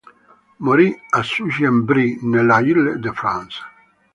Morì a Sucy-en-Brie, nell'Île-de-France.